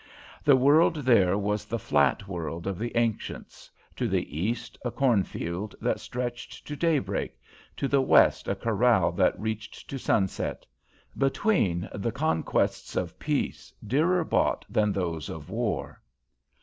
The world there was the flat world of the ancients; to the east, a cornfield that stretched to daybreak; to the west, a corral that reached to sunset; between, the conquests of peace, dearer bought than those of war.